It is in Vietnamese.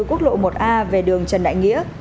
quốc lộ một a về đường trần đại nghĩa